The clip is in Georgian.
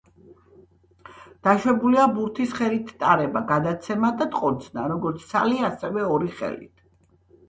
დაშვებულია ბურთის ხელით ტარება, გადაცემა და ტყორცნა, როგორც ცალი, ასევე ორი ხელით.